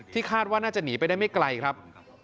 คาดว่าน่าจะหนีไปได้ไม่ไกลครับ